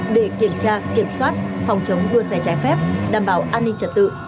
để kiểm tra kiểm soát phòng chống đua xe trái phép đảm bảo an ninh trật tự